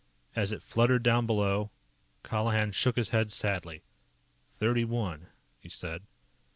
As it fluttered down below, Colihan shook his head sadly. "Thirty one," he said.